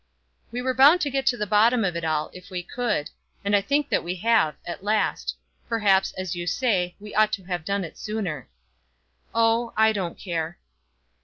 "We were bound to get to the bottom of it all, if we could; and I think that we have, at last. Perhaps, as you say, we ought to have done it sooner." "Oh, I don't care."